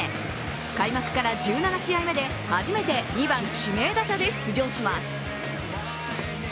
開幕から１７試合目で、初めて２番・指名打者で出場します。